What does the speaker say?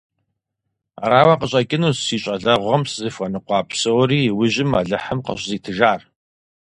Арауэ къыщӀэкӀынущ си щӀалэгъуэм сызыхуэныкъуа псори иужьым Алыхьым къыщӀызитыжар.